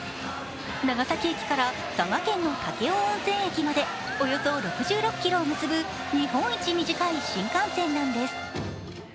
長崎駅から佐賀県の武雄温泉駅までおよそ６６ｋｍを結ぶ日本一短い新幹線なんです。